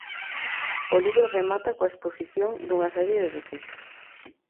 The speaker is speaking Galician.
O libro remata coa exposición dunha serie de desexos.